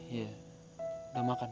iya udah makan